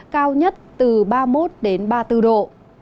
cao nhất từ ba mươi một ba mươi bốn độ